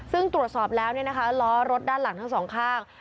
ซึ่งตรวจสอบแล้วล้อรถด้านหลังทั้งสองข้าง